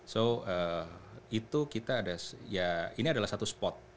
so itu kita ada ya ini adalah satu spot